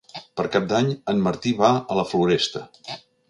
Per Cap d'Any en Martí va a la Floresta.